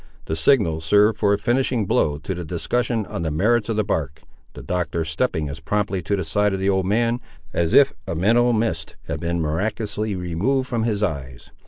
The signal served for a finishing blow to the discussion on the merits of the bark, the Doctor stepping as promptly to the side of the old man, as if a mental mist had been miraculously removed from his eyes.